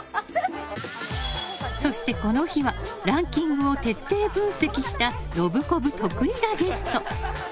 そして、この日はランキングを徹底分析したノブコブ・徳井がゲスト。